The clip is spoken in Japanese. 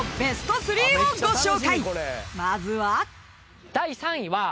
［まずは］